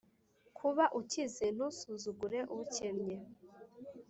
kuba ukize ntusuzugure ukennye